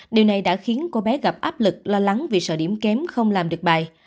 điều này đã khiến cô bé gặp áp lực lo lắng vì sợ điểm kém không làm được bài